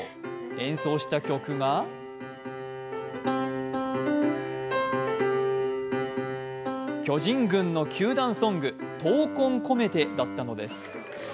演奏した曲が巨人軍の球団ソング「闘魂こめて」だったのです。